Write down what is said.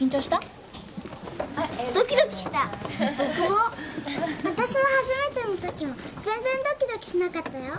わたしは初めてのときは全然ドキドキしなかったよ。